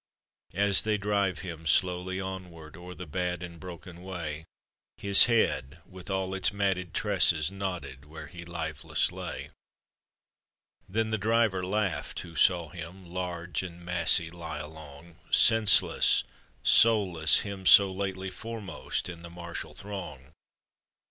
As they drive him slowly onward, O'er the bad and broken way, His head, with all its matted tresses, Nodded where he lifeless lay. Then the driver laugh'd who saw him, Large and massy lie along, Senseless, soulless — him so lately Foremost in the martial throng.